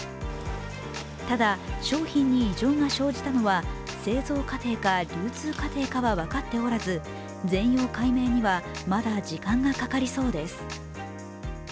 ただ、商品に異常が生じたのは、製造過程か流通過程かは分かっておらず、全容解明にはまだ時間がかかりそうです。